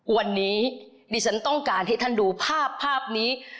วันนี้ดิฉันต้องการให้ท่านดูภาพภาพนี้